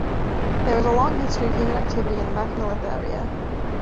There is a long history of human activity in the Machynlleth area.